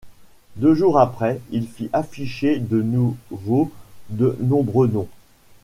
Deux jours après, il fit afficher de nouveau de nombreux noms.